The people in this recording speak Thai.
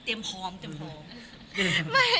เตรียมพร้อมเตรียมพร้อม